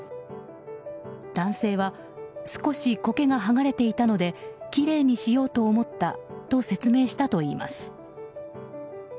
男性は少しコケが剥がれていたのできれいにしようと思ったと説明したといいます。